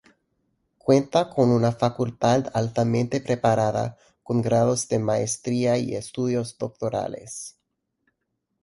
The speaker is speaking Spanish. Cuenta con una facultad altamente preparada, con grados de maestría y estudios doctorales.